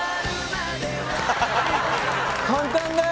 簡単だよ。